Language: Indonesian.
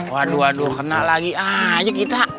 waduh waduh kena lagi aja kita